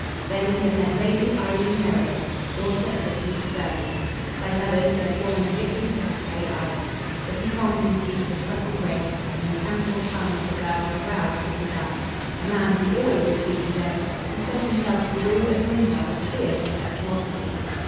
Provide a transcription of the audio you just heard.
Then he had met Lady Eileen Meredith, daughter of the Duke of Burghley. Like others, he had fallen a victim to her grey eyes. The piquant beauty, the supple grace, the intangible charm of the girl had aroused his desire. A man who always achieved his ends, he set himself to woo and win her with fierce impetuosity.